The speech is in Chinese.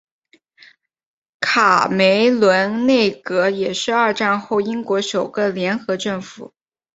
卡梅伦内阁也是二战后英国首个联合政府。